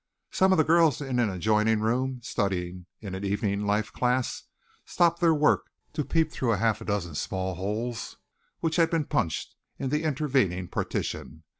Some of the girls in an adjoining room, studying in an evening life class, stopped their work to peep through a half dozen small holes which had been punched in the intervening partition.